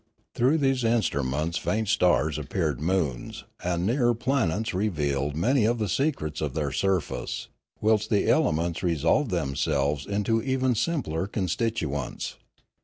Through these instruments faint stars appeared moons, and the nearer planets revealed many of the secrets of their surface; whilst the elements resolved themselves into even simpler constituents.